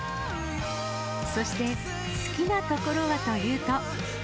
そして、好きなところはというと。